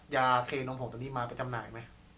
ยาเคนมผงตัวนี้มาไปจำหน่ายไหม